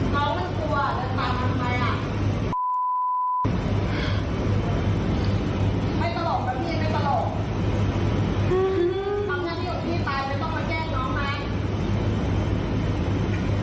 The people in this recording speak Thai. ที่คือโยชน์